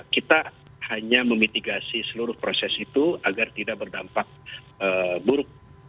kita hanya memitigasi seluruh proses itu agar tidak berdampak buruk